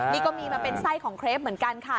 นี่ก็มีมาเป็นไส้ของเครปเหมือนกันค่ะ